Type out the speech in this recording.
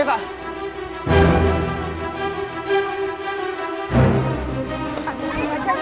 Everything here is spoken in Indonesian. ya udah biar mama aja bawa